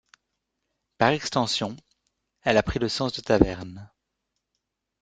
Par extension, elle a pris le sens de taverne.